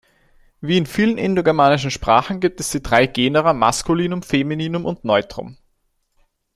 Wie in vielen indogermanischen Sprachen gibt es die drei Genera Maskulinum, Femininum und Neutrum.